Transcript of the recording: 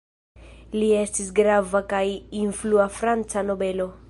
Li estis grava kaj influa franca nobelo.